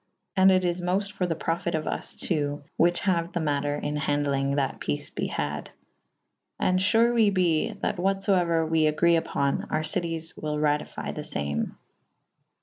And it is mofte for the profyte of vs two / whiche haue the mater in hand elynge that peace be had. And fure we be / that what fo euer we agre vpo« our cities wyll ratyfye the fame.